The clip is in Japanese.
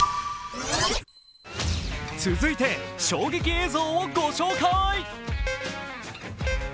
続いて衝撃映像をご紹介。